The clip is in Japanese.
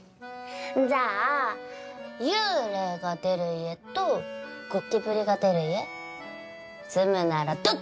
じゃあ幽霊が出る家とゴキブリが出る家住むならどっち？